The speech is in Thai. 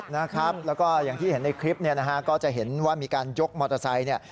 แล้วก็อย่างที่เห็นในคลิปก็จะเห็นว่ามีการยกมอเตอร์ไซค์